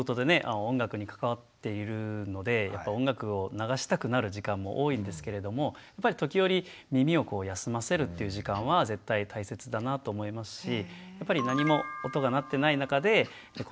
音楽に関わっているので音楽を流したくなる時間も多いんですけれどもやっぱり時折耳を休ませるっていう時間は絶対大切だなと思いますしやっぱり何も音が鳴ってない中で子どもと会話をする。